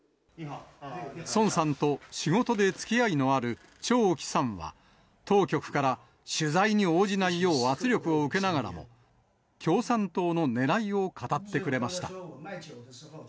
孫さんと仕事でつきあいのある張毅さんは、当局から取材に応じないよう圧力を受けながらも、共産党のねらいを語ってくれました。